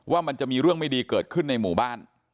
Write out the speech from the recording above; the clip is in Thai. ว่ามันจะมีเรื่องไม่ดีเกิดขึ้นในหมู่บ้าน